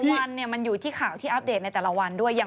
วันมันอยู่ที่ข่าวที่อัปเดตในแต่ละวันด้วย